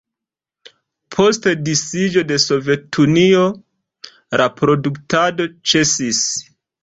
Post disiĝo de Sovetunio, la produktado ĉesis.